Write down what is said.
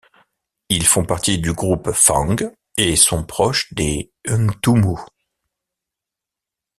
Ils font partie du groupe Fang et sont proches des Ntumu.